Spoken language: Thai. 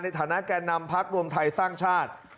ในฐานะแก่นำพักรวมไทยสร้างชาติ